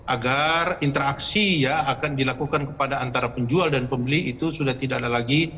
agar interaksi ya akan dilakukan kepada antara penjual dan pembeli itu sudah tidak ada lagi